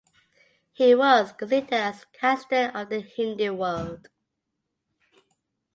He was considered as Caxton of the Hindi world.